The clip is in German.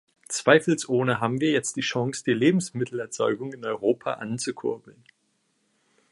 Zweifelsohne haben wir jetzt die Chance, die Lebensmittelerzeugung in Europa anzukurbeln.